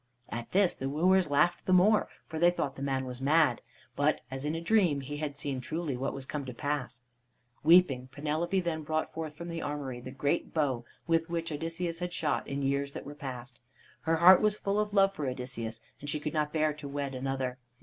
At this the wooers laughed the more, for they thought the man was mad. But, as in a dream, he had seen truly what was to come to pass. Weeping, Penelope then brought forth from the armory the great bow with which Odysseus had shot in years that were past. Her heart was full of love for Odysseus, and she could not bear to wed another.